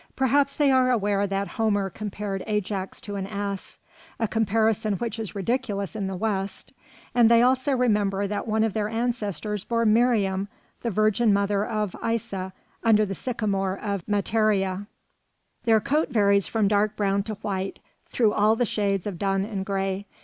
Perhaps they are aware that Homer compared Ajax to an ass, a comparison which is ridiculous in the West; and they also remember that one of their ancestors bore Miriam, the Virgin Mother of Issa, under the sycamore of Matarieh. Their coat varies from dark brown to white, through all the shades of dun and gray.